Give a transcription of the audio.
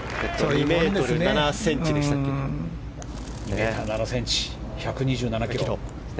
２ｍ７ｃｍ、１２７ｋｇ。